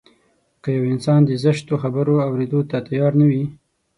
که يو انسان د زشتو خبرو اورېدو ته تيار نه وي.